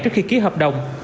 trước khi ký hợp đồng